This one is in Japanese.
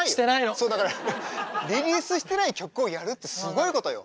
そうだからリリースしてない曲をやるってすごいことよ。